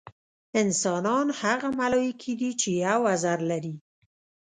انسانان هغه ملایکې دي چې یو وزر لري.